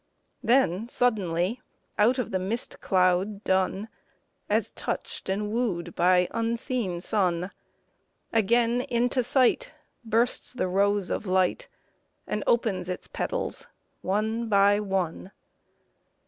Then suddenly out of the mist cloud dun, As touched and wooed by unseen sun, Again into sight bursts the rose of light And opens its petals one by one.